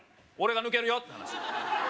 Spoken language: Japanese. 俺が抜けるよって